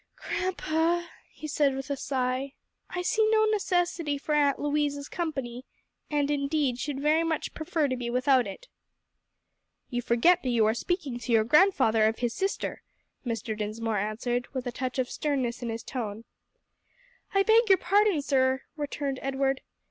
"Grandpa," he said with a sigh, "I see no necessity for Aunt Louise's company, and, indeed, should very much prefer to be without it." "You forget that you are speaking to your grandfather of his sister," Mr. Dinsmore answered, with a touch of sternness in his tone. "I beg your pardon, sir," returned Edward.